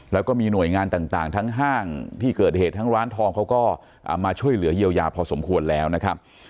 แล้วก็มีหน่วยงานต่างทั้งห้างที่เกิดเหตุทั้งร้านทองเขาก็มาช่วยเหลือเยียวยาพอสมควรแล้วนะครับ